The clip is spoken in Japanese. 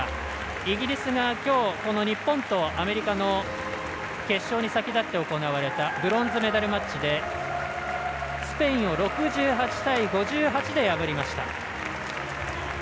イギリスがきょうこの日本とアメリカの決勝に先立って行われたブロンズメダルマッチでスペインを６８対５８で破りました。